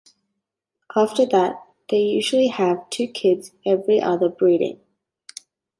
After that, they usually have two kids every other breeding.